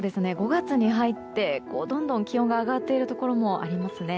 ５月に入って、どんどん気温が上がっているところもありますね。